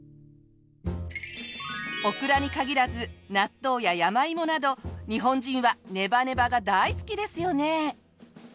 オクラに限らず納豆や山芋など日本人はネバネバが大好きですよね。